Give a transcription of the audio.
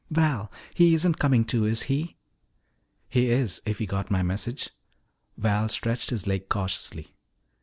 "Val, he isn't coming, too, is he?" "He is if he got my message." Val stretched his leg cautiously.